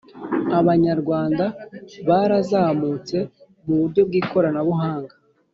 Abanyarwanda barazamutse muburyo bw’ikoranabuhanga